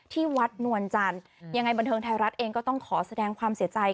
ที่วัดนวลจันทร์ยังไงบันเทิงไทยรัฐเองก็ต้องขอแสดงความเสียใจ